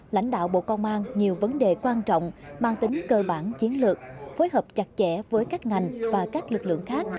lãnh đạo bộ công an nhiều vấn đề quan trọng mang tính cơ bản chiến lược phối hợp chặt chẽ với các ngành và các lực lượng khác